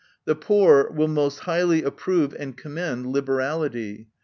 The poor will most highly approve and commend liberality.